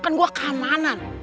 kan gue keamanan